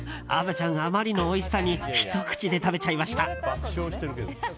虻ちゃん、あまりのおいしさにひと口で食べちゃいました。